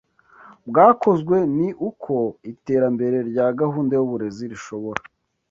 bwakozwe ni uko iterambere rya gahunda y’uburezi rishobora